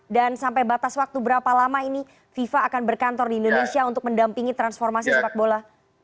dan sampai batas waktu berapa lama ini fifa akan berkantor di indonesia untuk mendampingi transformasi sepak bola